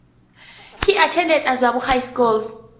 He attended Azabu High School.